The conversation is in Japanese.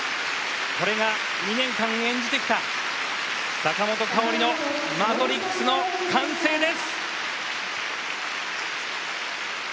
これが２年間演じてきた坂本花織の「マトリックス」の完成です！